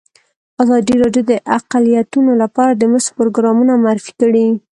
ازادي راډیو د اقلیتونه لپاره د مرستو پروګرامونه معرفي کړي.